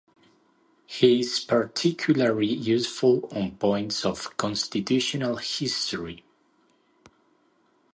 He is particularly useful on points of constitutional history.